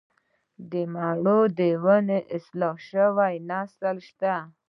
د مڼو د ونو اصلاح شوی نسل شته